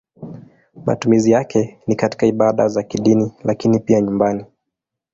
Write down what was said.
Matumizi yake ni katika ibada za kidini lakini pia nyumbani.